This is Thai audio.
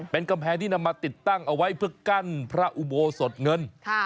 เป็นกำแพงที่นำมาติดตั้งเอาไว้เพื่อกั้นพระอุโบสถเงิน